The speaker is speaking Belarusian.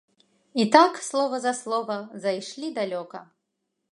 І так, слова за слова, зайшлі далёка.